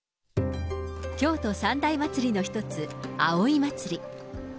京都三大祭りの一つ、葵祭。